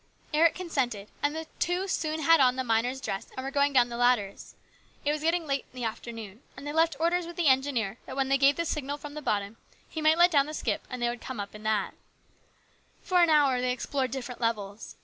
Eric consented, and the two soon had on the miner's dress and were going down the ladders. It was getting late in the afternoon, and they left orders with the engineer that when they gave the signal from the bottom, he might let down the skip and they would come up in that For an hour they explored different levels.